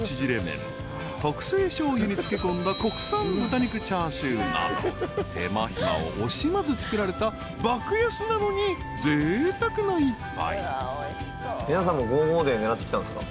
［特製しょうゆに漬け込んだ国産豚肉チャーシューなど手間暇を惜しまず作られた爆安なのにぜいたくな一杯］